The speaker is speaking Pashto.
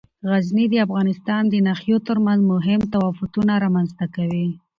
غزني د افغانستان د ناحیو ترمنځ مهم تفاوتونه رامنځ ته کوي.